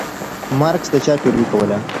مارکس د چا پيروي کوله؟